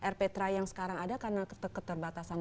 rptra yang sekarang ada karena keterbatasan